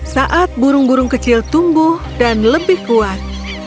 saat burung burung kecil tumbuh dan lebih kuat